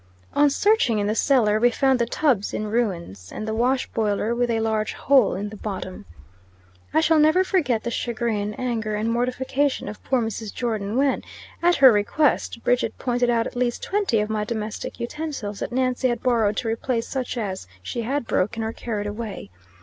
On searching in the cellar we found the tubs in ruins, and the wash boiler with a large hole in the bottom. I shall never forget the chagrin, anger, and mortification of poor Mrs. Jordon when, at her request, Bridget pointed out at least twenty of my domestic utensils that Nancy had borrowed to replace such as she had broken or carried away.